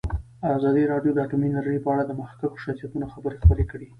ازادي راډیو د اټومي انرژي په اړه د مخکښو شخصیتونو خبرې خپرې کړي.